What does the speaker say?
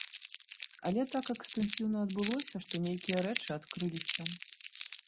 Але так экстэнсіўна адбылося, што нейкія рэчы адкрыліся.